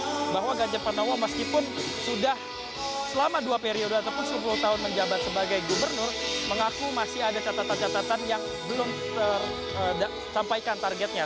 tapi bahwa ganjar panowo meskipun sudah selama dua periode ataupun sepuluh tahun menjabat sebagai gubernur mengaku masih ada catatan catatan yang belum tersampaikan targetnya